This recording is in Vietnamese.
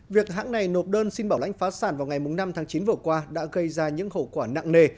việc hãng này nộp đơn xin bảo lãnh phá sản vào ngày năm tháng chín vừa qua đã gây ra những hậu quả nặng nề